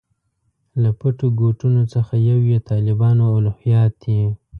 له پټو ګوټونو څخه یو یې طالبانو الهیات دي.